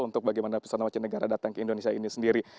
untuk bagaimana perusahaan macam negara datang ke indonesia ini sendiri